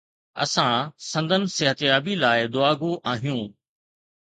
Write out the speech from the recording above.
اسان سندن صحتيابي لاءِ دعاگو آهيون